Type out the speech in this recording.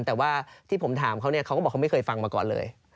แต่ว่าที่ผมถามเขาเนี่ยเขาก็บอกเขาไม่เคยฟังมาก่อนเลย